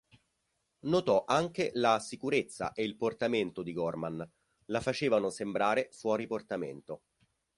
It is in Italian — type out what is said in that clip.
Notò anche la "sicurezza e il portamento" di Gorman "la facevano sembrare fuori portamento".